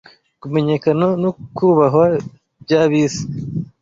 kumenyekana no kubahwa by’ab’isi